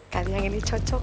kan yang ini cocok